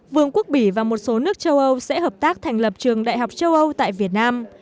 vương quốc bỉ và một số nước châu âu sẽ hợp tác thành lập trường đại học châu âu tại việt nam